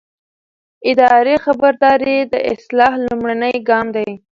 اداري خبرداری د اصلاح لومړنی ګام دی.